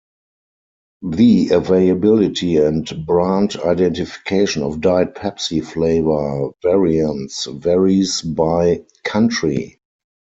The availability and brand identification of Diet Pepsi flavor variants varies by country.